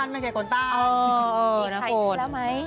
ไม่ใช่คนใต้